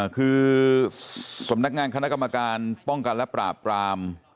คือสำนักงานคณะกรรมการป้องกันและปราบราม